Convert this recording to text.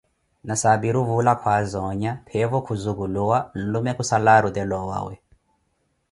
Nasaapiru vuula kwaaza onya, peevo khuzuculuwa, nlume kusaala arutela owawe.